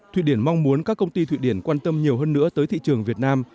thụy điển mong muốn các công ty thụy điển quan tâm nhiều hơn nữa tới thị trường việt nam